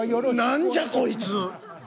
何じゃこいつ。